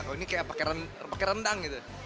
oh ini kayak pakai rendang gitu